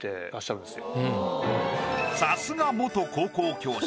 さすが元高校教師。